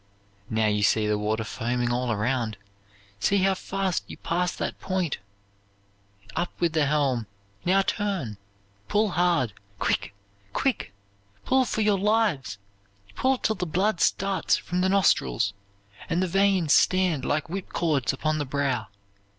"Now you see the water foaming all around. See how fast you pass that point! Up with the helm! Now turn! Pull hard! Quick, quick! Pull for your lives! Pull till the blood starts from the nostrils, and the veins stand like whip cords upon the brow!